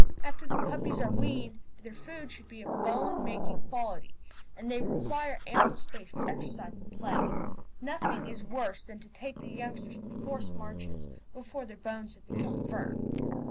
After the puppies are weaned, their food should be of bone making quality, and they require ample space for exercise and play. Nothing is worse than to take the youngsters for forced marches before their bones have become firm.